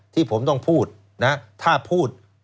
ที่ผมต้องพูดนะถ้าพูด